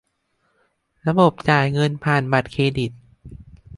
ระบบจ่ายเงินผ่านบัตรเครดิต